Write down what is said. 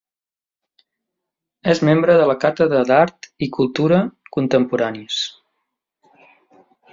És membre de la Càtedra d'Art i Cultura Contemporanis.